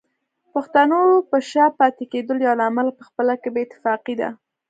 پښتنو په شا پاتې کېدلو يو لامل پخپله کې بې اتفاقي ده